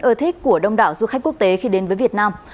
ưa thích của đông đảo du khách quốc tế khi đến với việt nam